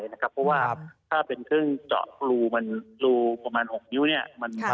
เพราะว่าถ้าเป็นเครื่องเจาะรูประมาณ๖นิ้วเนี่ย